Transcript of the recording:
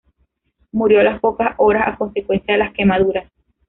Murió a las pocas horas a consecuencia de las quemaduras.